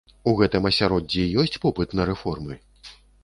У гэтым асяроддзі ёсць попыт на рэформы?